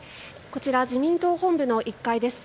こちら、自民党本部の１階です。